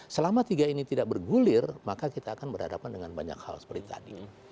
selama tiga ini tidak bergulir maka kita akan berhadapan dengan banyak hal seperti tadi